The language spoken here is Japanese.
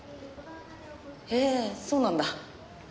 へえそうなんだ。